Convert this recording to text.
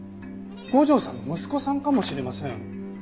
五条さんの息子さんかもしれません。